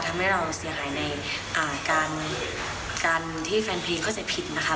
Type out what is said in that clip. ทำให้เราเสียหายในการที่แฟนเพลงเข้าใจผิดนะคะ